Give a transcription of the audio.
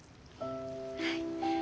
はい。